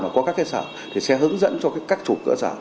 và có các xã sẽ hướng dẫn cho các chủ cửa xã